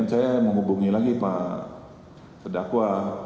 saya menghubungi lagi pak pedakwa